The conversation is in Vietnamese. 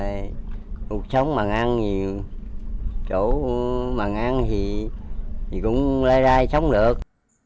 tại cuộc sống mà ngăn nhiều chỗ mà ngăn thì cũng lai lai sống được